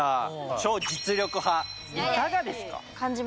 超実力派いかがですか？